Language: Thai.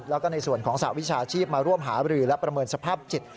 แล้วก็ในส่วนของสหวิชาชีพมาร่วมหาบรือและประเมินสภาพจิต